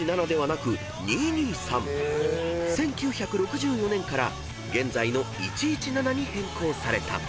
［１９６４年から現在の１１７に変更された］